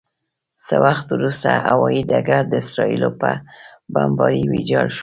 څه وخت وروسته هوايي ډګر د اسرائیلو په بمبارۍ ویجاړ شو.